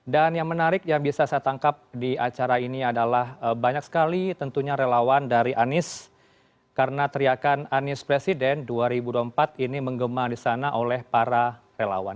dan yang menarik yang bisa saya tangkap di acara ini adalah banyak sekali tentunya relawan dari anies karena teriakan anies presiden dua ribu dua puluh empat ini menggema di sana oleh para relawan